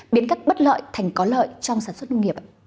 biến các bất lợi thành có lợi trong sản xuất nông nghiệp